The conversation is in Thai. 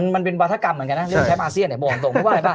มันเป็นวัฒนากรรมเหมือนกันนะเรียกว่าแชมป์อาเซียนบอกตรง